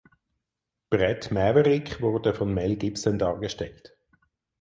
Bret Maverick wurde von Mel Gibson dargestellt.